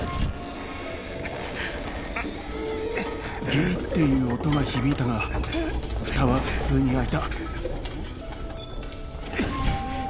「ギーっていう音が響いたが蓋は普通に開いた」